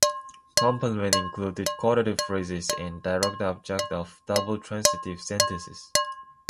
Complements include quotative phrases and direct objects of double transitive sentences.